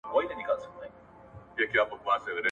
زه به اوږده موده د کتابتون د کار مرسته کړې وم!.